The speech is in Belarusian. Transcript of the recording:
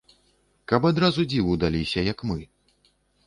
Каб адразу дзіву даліся, як мы.